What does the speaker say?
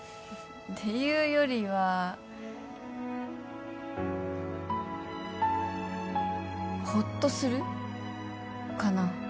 ていうよりはホッとするかな？